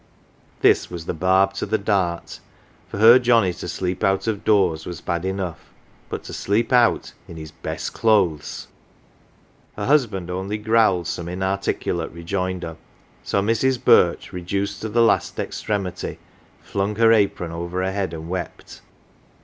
This was the barb to the dart for her Johnnie to sleep out of doors was bad enough, but to sleep out in his best clothes ! Her husband only growled some inarticulate rejoinder, so Mrs. Birch reduced to the last extremity flung her apron over her head and wept.